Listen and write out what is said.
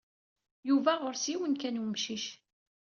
Yuba ɣur-s yiwen kan n umcic.